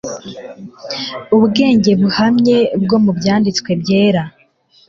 ubwenge buhamye bwo mu Byanditswe Byera